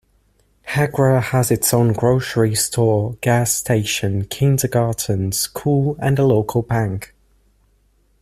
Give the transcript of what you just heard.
Hegra has its own grocery store, gas station, kindergarten, school and a local bank.